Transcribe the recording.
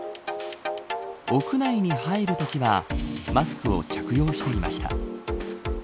屋内に入るときはマスクを着用していました。